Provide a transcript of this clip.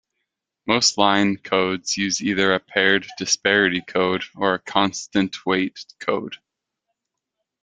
Most line codes use either a paired disparity code or a constant-weight code.